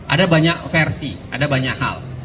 ada banyak versi ada banyak hal